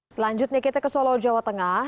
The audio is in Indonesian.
selanjutnya kita ke solo jawa tengah